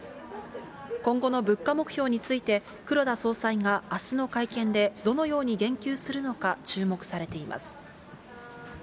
今後の物価目標について、黒田総裁があすの会見でどのように言及するのか注目されています。